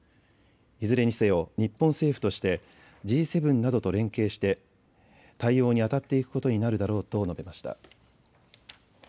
いずれにせよ日本政府としてＧ７などと連携して対応にあたっていくことになるだろうと述べました。